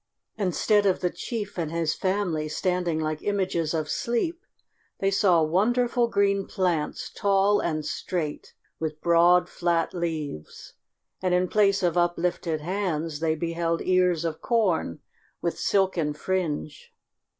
Instead of the chief and his family standing like images of sleep, they saw wonderful green plants, tall and straight, with broad, flat leaves, and in place of uplifted hands they beheld ears of corn with silken fringe.